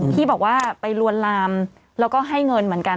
ที่บอกว่าไปลวนลามแล้วก็ให้เงินเหมือนกัน